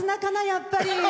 やっぱり！